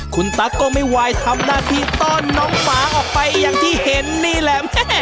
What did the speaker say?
คุณตั๊กก็ไม่ไหวทำหน้าที่ต้อนน้องหมาออกไปอย่างที่เห็นนี่แหละ